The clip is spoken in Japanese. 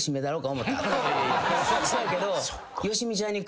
「そやけど」